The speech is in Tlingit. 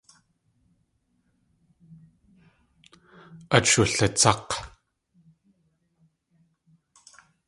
Át shulatsák̲.